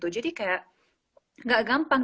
jadi kayak gak gampang